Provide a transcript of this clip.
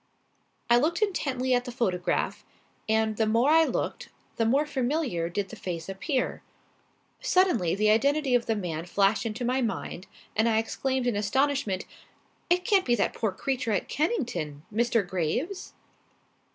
I looked intently at the photograph, and the more I looked, the more familiar did the face appear. Suddenly the identity of the man flashed into my mind and I exclaimed in astonishment: "It can't be that poor creature at Kennington, Mr. Graves?"